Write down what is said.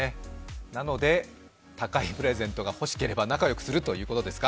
なので、高いプレゼントが欲しければ仲良くするということですか？